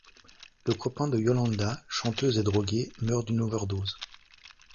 Le copain de Yolanda, chanteuse et droguée, meurt d'une overdose.